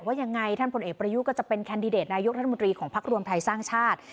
ว่ายังไงท่านผลเอกประยุทธ์ก็จะเป็นแคนดิเดตนายกรัฐมนตรีของพักรวมไทยสร้างชาติ